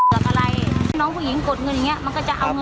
แต่ถ้าได้เงินเอาไปทำอะไร